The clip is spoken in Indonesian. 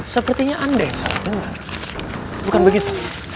sepertinya andai salah dengar bukan begitu